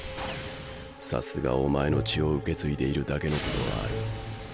さすがおまえの血を受け継いでいるだけのことはある。